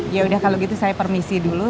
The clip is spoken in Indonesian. yaudah kalau gitu saya permisi dulu